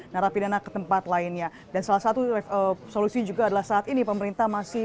narapidana ke tempat lainnya dan salah satu solusi juga adalah saat ini pemerintah masih